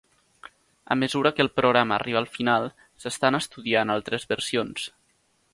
A mesura que el programa arriba al final s'estan estudiant altres versions.